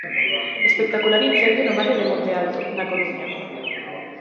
Espectacular incendio no barrio de Monte Alto, na Coruña.